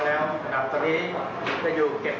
เมื่อเมื่อกี้ผู้สมหารับ